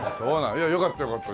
いやよかったよかった。